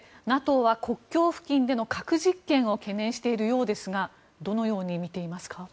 ＮＡＴＯは国境付近での核実験を懸念しているようですがどのように見ていますか？